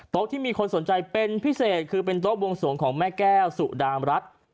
ที่มีคนสนใจเป็นพิเศษคือเป็นโต๊ะบวงสวงของแม่แก้วสุดามรัฐ